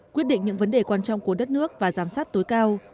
quyết định những vấn đề quan trọng của đất nước và giám sát tối cao